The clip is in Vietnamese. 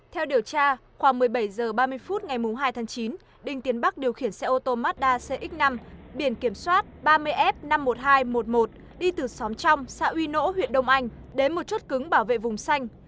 theo điều tra khoảng một mươi bảy h ba mươi phút ngày hai tháng chín đinh tiến bắc điều khiển xe ô tô mazda cx năm biển kiểm soát ba mươi f năm mươi một nghìn hai trăm một mươi một đi từ xóm trong xã uy nỗ huyện đông anh đến một chốt cứng bảo vệ vùng xanh